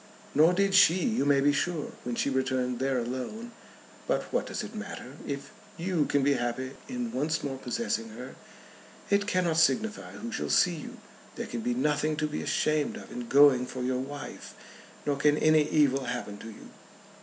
"Nor did she, you may be sure, when she returned there alone. But what does it matter? If you can be happy in once more possessing her, it cannot signify who shall see you. There can be nothing to be ashamed of in going for your wife; nor can any evil happen to you.